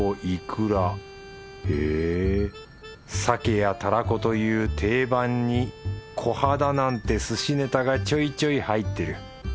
いくらへぇ鮭やたらこという定番にこはだなんてすしネタがちょいちょい入ってる。